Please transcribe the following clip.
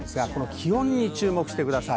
気温に注目してください。